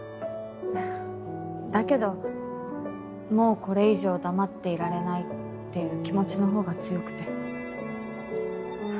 だけどもうこれ以上黙っていられないっていう気持ちの方が強くて。